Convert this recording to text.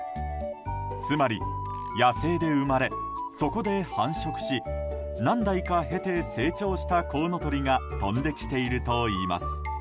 つまり、野生で生まれそこで繁殖し何代か経て成長したコウノトリが飛んできているといいます。